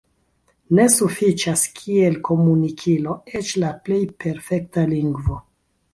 Ne sufiĉas kiel komunikilo eĉ la plej perfekta lingvo.